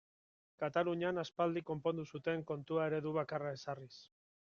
Katalunian aspaldian konpondu zuten kontua eredu bakarra ezarriz.